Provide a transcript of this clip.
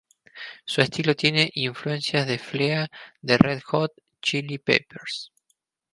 Su estilo tiene influencias de Flea, de Red Hot Chili Peppers.